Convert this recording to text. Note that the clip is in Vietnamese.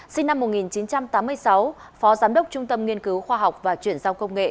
sinh năm một nghìn chín trăm tám mươi sáu phó giám đốc trung tâm nghiên cứu khoa học và chuyển giao công nghệ